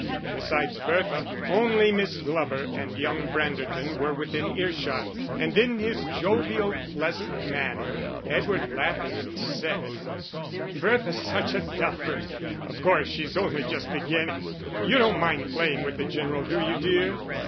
Besides Bertha, only Miss Glover and young Branderton were within earshot, and in his jovial, pleasant manner, Edward laughingly said "Bertha's such a duffer. Of course she's only just beginning. You don't mind playing with the General, do you, dear?"